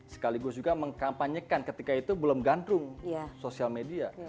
sekaligus juga mengkampanyekan ketika itu belum gandrung sosial media